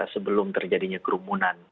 sebelum terjadinya kerumunan